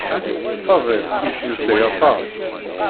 Faḍil yettmeslay aṭas.